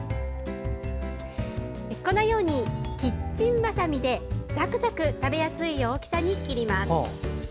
このようにキッチンバサミでザクザク食べやすい大きさに切ります。